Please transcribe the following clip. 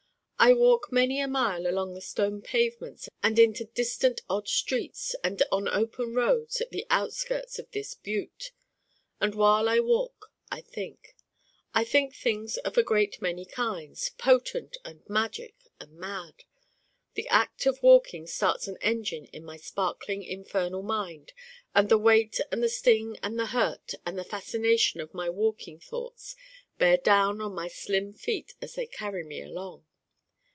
I walk many a mile along the stone pavements and into distant odd streets and on open roads at the outskirts of this Butte. And while I walk I think. I think things of a great many kinds potent and magic and mad. The act of walking starts an engine in my sparkling infernal mind. And the weight and the sting and the hurt and the fascination of my walking thoughts bear down on my slim feet as they carry me along.